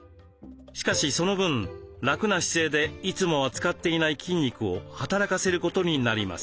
しかしその分楽な姿勢でいつもは使っていない筋肉を働かせることになります。